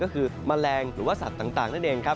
ก็คือแมลงหรือว่าสัตว์ต่างนั่นเองครับ